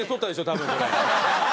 多分これ。